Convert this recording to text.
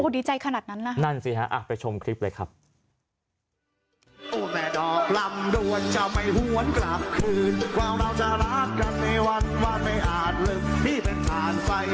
ไปในกล้องขึ้นปากเถอะมองมา